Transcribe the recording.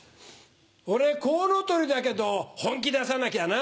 俺コウノトリだけど本気出さなきゃな。